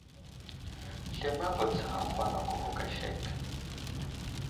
Slemeŋ vo tsa aməhwalako vo aka sek.